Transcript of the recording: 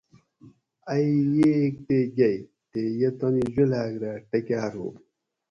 ائ ییگ تے گئ تے یہ تانی جولاۤگ رہ ٹکاۤر ہُو